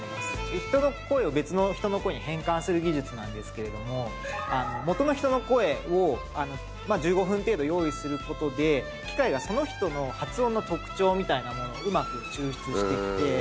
人の声を別の人の声に変換する技術なんですけれども元の人の声を１５分程度用意する事で機械がその人の発音の特徴みたいなものをうまく抽出してきて。